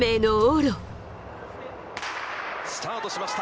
スタートしました。